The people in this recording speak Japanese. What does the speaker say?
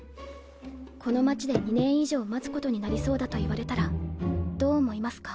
この街で２年以上待つことになりそうだと言われたらどう思いますか？